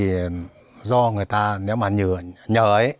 thì do người ta nếu mà nhờ ấy